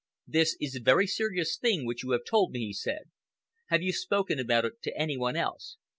"This is a very serious thing which you have told me," he said. "Have you spoken about it to any one else?"